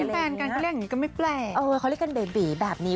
เขาเรียกกันเบบีแบบนี้